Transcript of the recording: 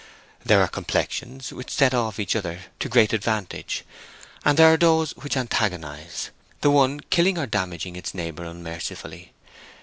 There are complexions which set off each other to great advantage, and there are those which antagonize, the one killing or damaging its neighbor unmercifully.